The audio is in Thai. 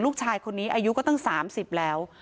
ลูกชายคนนี้อายุก็ตั้ง๓๐แล้ว